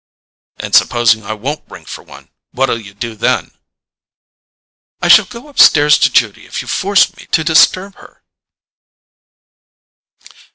"And supposing I won't ring for one—what'll you do then?" "I shall go upstairs to Judy if you force me to disturb her."